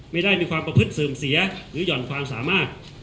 ไม่ได้มีความประพฤติเสื่อมเสียหรือหย่อนความสามารถ